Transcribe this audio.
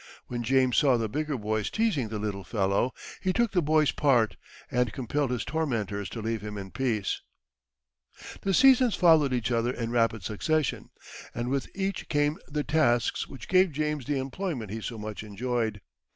When James saw the bigger boys teasing the little fellow, he took the boy's part, and compelled his tormentors to leave him in peace. The seasons followed each other in rapid succession, and with each came the tasks which gave James the employment he so much enjoyed.